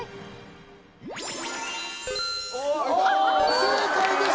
正解です